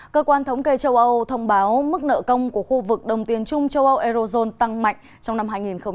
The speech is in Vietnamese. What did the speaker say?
cơ quan thống kê châu âu thông báo mức nợ công của khu vực đồng tiền chung châu âu eurozone tăng mạnh trong năm hai nghìn hai mươi